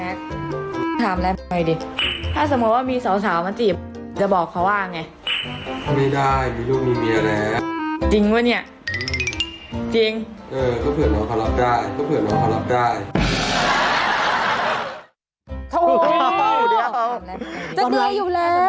โอ้โหเดี๋ยวจะเนื่อยอยู่แล้ว